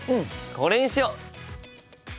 これにしよう！